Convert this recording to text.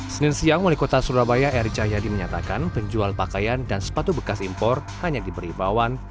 senin siang wali kota surabaya eri cahyadi menyatakan penjual pakaian dan sepatu bekas impor hanya diberi imbauan